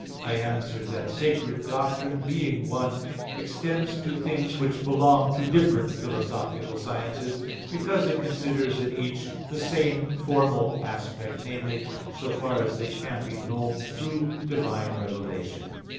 I answer that, Sacred doctrine, being one, extends to things which belong to different philosophical sciences because it considers in each the same formal aspect, namely, so far as they can be known through divine revelation.